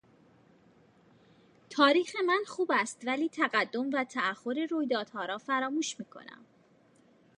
تاریخ من خوب است ولی تقدم و تاخر رویدادها را فراموش میکنم.